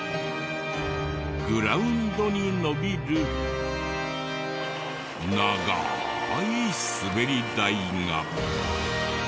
グラウンドに延びる長ーいスベリ台が。